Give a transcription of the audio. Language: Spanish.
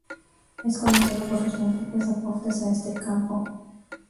Es conocido por sus múltiples aportes a este campo.